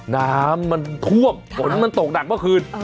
น้ำมันท่วมฝนมันตกหนักเมื่อคืน